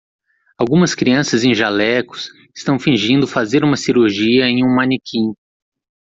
Algumas crianças em jalecos estão fingindo fazer uma cirurgia em um manequim.